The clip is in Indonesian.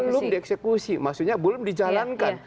belum dieksekusi maksudnya belum dijalankan